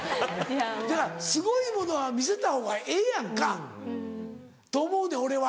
すごいものは見せたほうがええやんか。と思うねん俺は。